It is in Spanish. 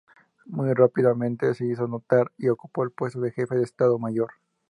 Muy rápidamente, se hizo notar y ocupó el puesto de jefe del Estado mayor.